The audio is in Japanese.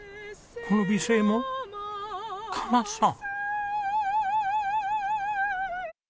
この美声も加奈さん！